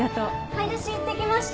買い出し行ってきました。